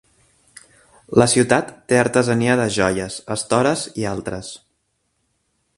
La ciutat té artesania de joies, estores i altres.